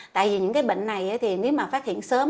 tại vì những cái bệnh này thì nếu mà phát hiện sớm